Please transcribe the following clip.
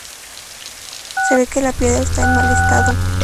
Se ve que la piedra está en mal estado.